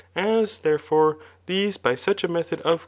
As, therefore, the$e by such a method of